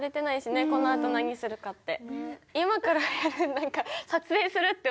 このあと何するかって。